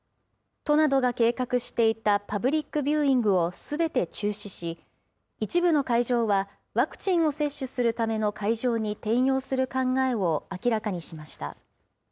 都などが計画していたパブリックビューイングをすべて中止し、一部の会場は、ワクチンを接種するための会場に転用する考えを明らかにしました。